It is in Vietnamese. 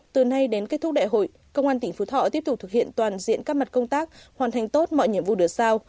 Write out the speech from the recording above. từ nay đến kết thúc đại hội công an tỉnh phú thọ tiếp tục thực hiện toàn diện các mặt công tác hoàn thành tốt mọi nhiệm vụ được sao